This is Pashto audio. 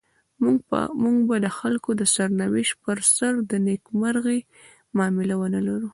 موږ به د خلکو د سرنوشت پر سر د نيکمرغۍ معامله ونلرو.